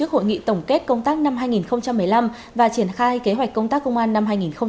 hội nghị tổng kết công tác năm hai nghìn một mươi năm và triển khai kế hoạch công tác công an năm hai nghìn hai mươi